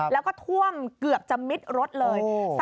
แล้วก็ท่วมเกือบจะมิดรถเลย